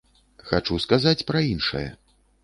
Хачу сказаць пра іншае.